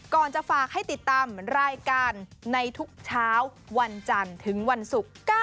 จะฝากให้ติดตามรายการในทุกเช้าวันจันทร์ถึงวันศุกร์